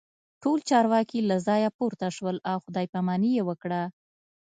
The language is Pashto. ټول چارواکي له ځایه پورته شول او خداي پاماني یې وکړه